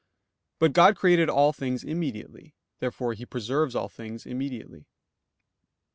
But God created all things immediately. Therefore He preserves all things immediately.